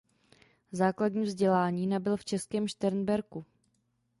Základní vzdělání nabyl v Českém Šternberku.